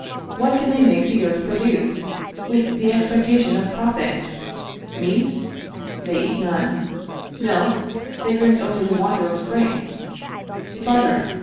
What can they make the earth produce, with the expectation of profit? Meat? They eat none. Milk? They drink only the water of springs. Butter?